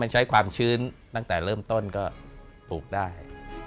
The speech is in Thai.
ใช้ความชื้นตั้งแต่เริ่มต้นก็ปลูกได้